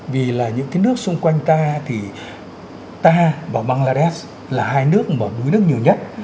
vì là những cái nước xung quanh ta thì ta và bangladesh là hai nước mà đuối nước nhiều nhất